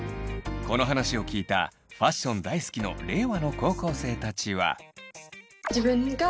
この話を聞いたファッション大好きの令和の高校生たちは。